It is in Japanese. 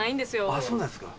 あっそうなんですか。